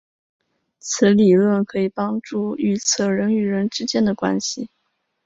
此理论可以帮助预测人与人之间的关系。